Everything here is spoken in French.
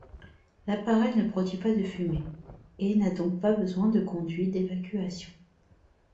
L'appareil ne produit pas de fumée, et n'a donc pas besoin de conduit d'évacuation.